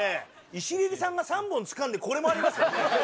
イシレリさんが３本つかんでこれもありますからね。